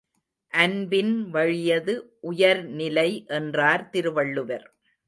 அன்பின் வழியது உயர்நிலை என்றார் திருவள்ளுவர்.